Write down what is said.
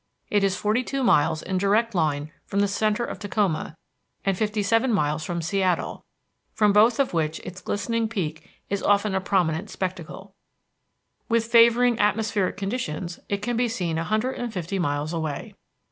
It is forty two miles in direct line from the centre of Tacoma, and fifty seven miles from Seattle, from both of which its glistening peak is often a prominent spectacle. With favoring atmospheric conditions it can be seen a hundred and fifty miles away.